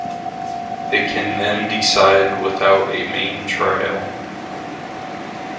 It can then decide without a main trial.